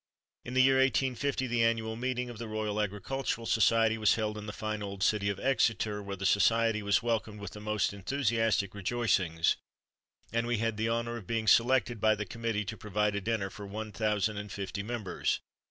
In the year 1850 the annual meeting of the Royal Agricultural Society was held in the fine old city of Exeter, where the Society was welcomed with the most enthusiastic rejoicings, and we had the honour of being selected by the committee to provide a dinner for one thousand and fifty members.